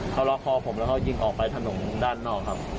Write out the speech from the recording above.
เขาล็อกคอผมแล้วเขายิงออกไปถนนด้านนอกครับ